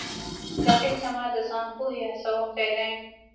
رقیب زما د ځان پوهې هڅوونکی دی